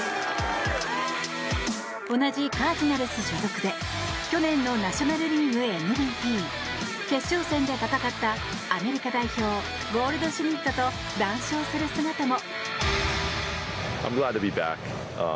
同じカージナルス所属で去年のナショナル・リーグＭＶＰ決勝戦で戦った、アメリカ代表ゴールドシュミットと談笑する姿も。